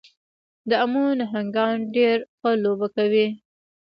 د امو نهنګان ډېره ښه لوبه کوي.